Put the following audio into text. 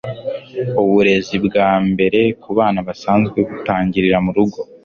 Uburezi bwambere kubana busanzwe butangirira murugo.